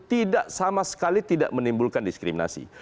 tidak sama sekali tidak menimbulkan diskriminasi